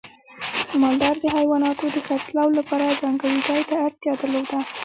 مالدار د حیواناتو د خرڅلاو لپاره ځانګړي ځای ته اړتیا درلوده.